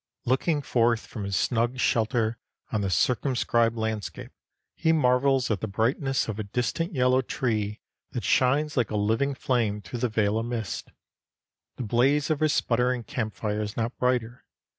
Looking forth from his snug shelter on the circumscribed landscape, he marvels at the brightness of a distant yellow tree that shines like a living flame through the veil of mist. The blaze of his sputtering camp fire is not brighter.